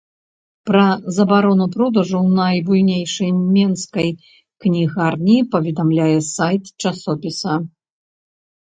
Пра забарону продажу ў найбуйнейшай менскай кнігарні паведамляе сайт часопіса.